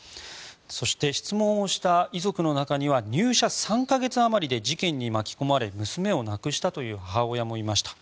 そして、質問をした遺族の中には入社３か月あまりで事件に巻き込まれ娘を亡くしたという母親もいました。